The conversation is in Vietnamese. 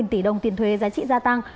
ba tỷ đồng tiền thuế giá trị gia tăng